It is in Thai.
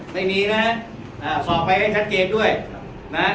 ไม่มีนะฮะอ่าสอบไปให้ชัดเกรดด้วยนะฮะ